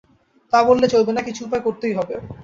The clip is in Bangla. তা বললে চলবে না, কিছু উপায় করতেই হবে।